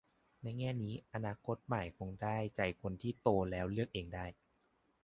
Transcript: ในแง่นี้อนาคตใหม่คงได้ใจคนที่ โตแล้วเลือกเองได้